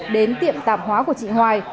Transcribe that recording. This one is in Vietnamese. đến tiệm tạp hóa của chị hoài